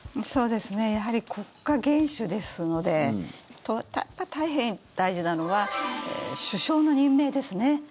やはり国家元首ですので大変大事なのは首相の任命ですね